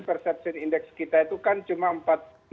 dan persepsi indeks kita itu kan cuma rp empat puluh